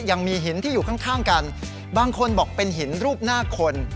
ยังมีหินที่อยู่ข้างกันบางคนบอกเป็นหินรูปหน้าคน